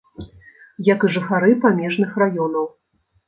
Як і жыхары памежных раёнаў.